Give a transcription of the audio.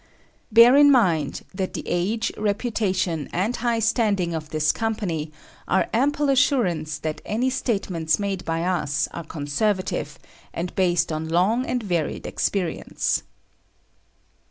Bear in mind that the age, reputation and high standing of this Company are ample assurance that any statements made by us are conservative, and based on long and varied experience.